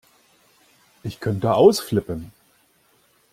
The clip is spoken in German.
Ich könnte ausflippen!